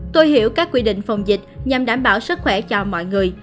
tôi hiểu các quy định phòng dịch nhằm đảm bảo sức khỏe cho mọi người